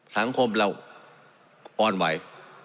สังคมเราอ่อนไหว